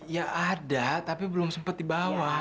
ya ada tapi belum sempat dibawa